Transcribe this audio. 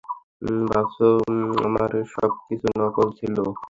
ভাবছ আমার এসবকিছু নকল ছিল?